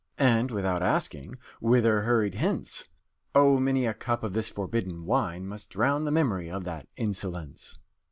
And, without asking, Whither hurried hence! Oh, many a Cup of this forbidden Wine Must drown the memory of that insolence!"